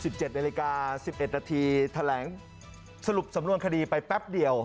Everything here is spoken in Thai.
๑๗นาฬิกา๑๑นาทีแถลงสรุปสำนวนคดีไปแป๊บเดียว